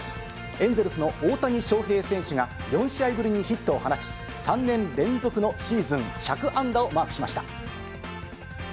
エンゼルスの大谷翔平選手が、４試合ぶりにヒットを放ち、３年連続のシーズン１００安打をマークしました。